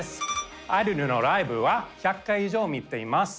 アイドルのライブは１００回以上見ています。